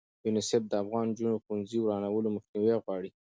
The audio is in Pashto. یونیسف د افغانو نجونو ښوونځي د ورانولو مخنیوی غواړي.